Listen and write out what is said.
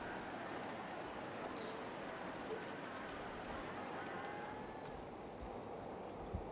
ขอบคุณทุกคน